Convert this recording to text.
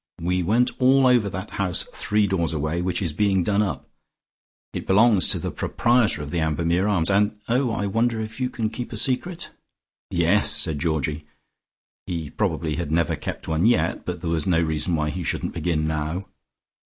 We went all over that house three doors away, which is being done up. It belongs to the proprietor of the Ambermere Arms. And oh, I wonder if you can keep a secret?" "Yes," said Georgie. He probably had never kept one yet, but there was no reason why he shouldn't begin now.